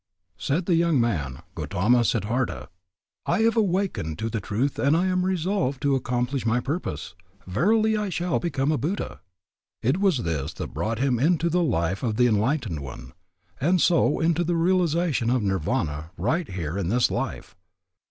Said the young man, Gautama Siddhârtha, I have awakened to the truth and I am resolved to accomplish my purpose, Verily I shall become a Buddha. It was this that brought him into the life of the Enlightened One, and so into the realization of Nirvana right here in this life.